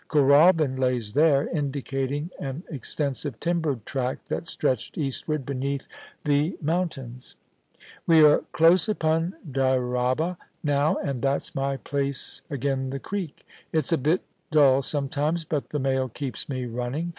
Kooralbyn lays there,' indicating an extensive timbered tract that stretched eastward beneath the 56 POLICY AND PASSION. mountains. * We are close upon Dyraaba now, and that's my place agen the creek. It's a bit dull sometimes, but the mail keeps me running.